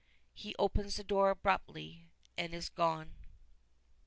He opens the door abruptly, and is gone.